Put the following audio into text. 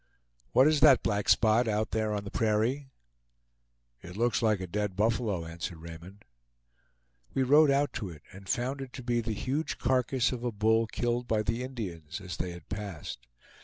"What is that black spot out there on the prairie?" "It looks like a dead buffalo," answered Raymond. We rode out to it, and found it to be the huge carcass of a bull killed by the Indians as they had passed.